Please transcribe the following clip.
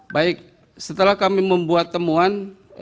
baik setelah kami membuat temuan